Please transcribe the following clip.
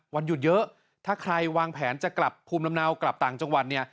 วันหยุดเยอะถ้าใครวางแผนจะกลับภูมิลำเนากลับต่างจังหวัดเนี่ย